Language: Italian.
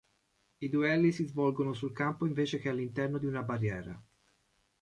I duelli si svolgono sul campo invece che all'interno di una barriera.